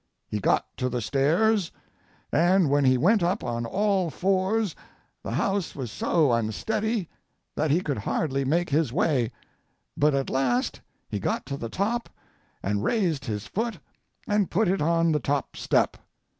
He got to the stairs, and when he went up on all fours the house was so unsteady that he could hardly make his way, but at last he got to the top and raised his foot and put it on the top step.